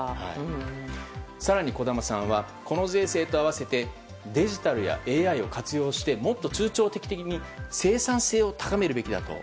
更に小玉さんはこの税制と合わせてデジタルやＡＩを活用してもっと中長期的に生産性を高めるべきだと。